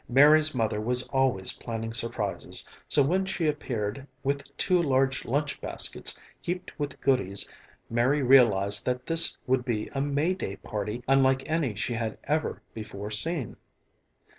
Mary's mother was always planning surprises, so when she appeared with two large lunch baskets heaped with goodies, Mary realized that this would be a May day party unlike any she had ever before seen.